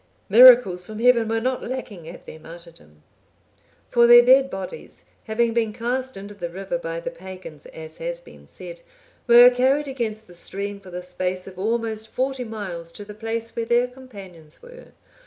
(829) Miracles from Heaven were not lacking at their martyrdom. For their dead bodies, having been cast into the river by the pagans, as has been said, were carried against the stream for the space of almost forty miles, to the place where their companions were.